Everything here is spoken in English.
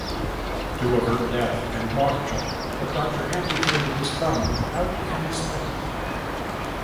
To avert death and lockjaw the doctor amputated his thumb without anesthetic.